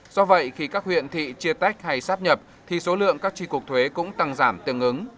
do vậy khi các huyện thị chia tách hay sáp nhập thì số lượng các chi cục thuế cũng tăng giảm tương ứng